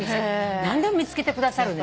何でも見つけてくださるのよ。